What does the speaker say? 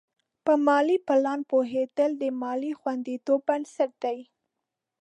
په مالي پلان پوهېدل د مالي خوندیتوب بنسټ دی.